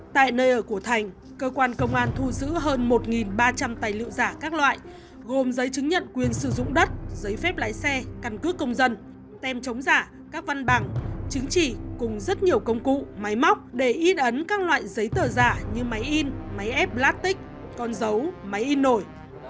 tại nơi ở của thành cơ quan công an thu giữ hơn một ba trăm linh tài liệu giả các loại gồm giấy chứng nhận quyền sử dụng đất giấy phép lái xe căn cước công dân tem chống giả các văn bằng chứng chỉ cùng rất nhiều công cụ máy móc để in ấn các loại giấy tờ giả như máy in máy ép platic con dấu máy in nổi